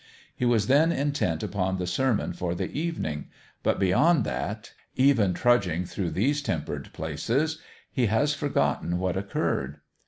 He was then intent upon the sermon for the evening ; but beyond that even trudging through these tempered places he has forgotten what occurred.